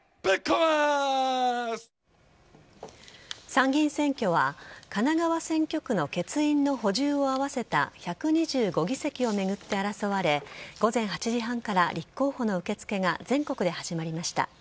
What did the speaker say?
参議院選挙は神奈川選挙区の欠員の補充を合わせた１２５議席を巡って争われ午前８時半から立候補の受け付けが全国で始まりました。